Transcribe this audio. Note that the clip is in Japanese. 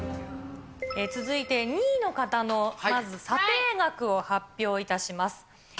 続いて２位の方のまず査定額を発表いたします。